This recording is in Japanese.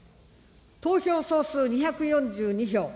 投票総数２４２票。